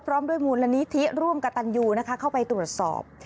พร้อมด้วยมูลนิธิร่วมกับตันยูนะคะเข้าไปตรวจสอบ